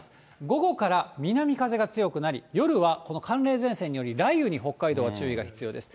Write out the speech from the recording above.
午後から南風が強くなり、夜はこの寒冷前線により雷雨に北海道は注意が必要です。